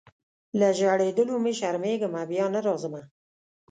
له ژړېدلو مي شرمېږمه بیا نه راځمه